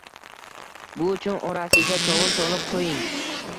Bu uchun orasiga sovun solib qo'ying